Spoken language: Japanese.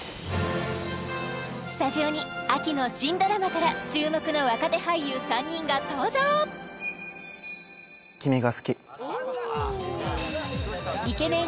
スタジオに秋の新ドラマから注目の若手俳優３人が登場イケメン